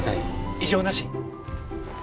異常なし！